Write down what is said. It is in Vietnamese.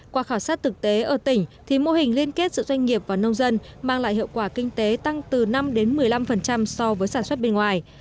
qua khảo sát thực tế ở tỉnh thì mô hình liên kết giữa doanh nghiệp và nông dân mang lại hiệu quả kinh tế tăng từ năm đến một mươi năm so với sản xuất bên ngoài